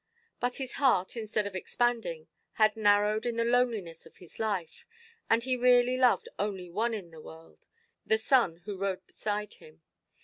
But his heart, instead of expanding, had narrowed in the loneliness of his life; and he really loved only one in the world—the son who rode beside him.